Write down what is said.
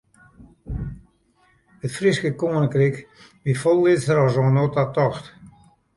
It Fryske keninkryk wie folle lytser as oant no ta tocht.